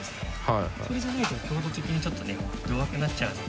それじゃないと強度的にちょっとね弱くなっちゃうので。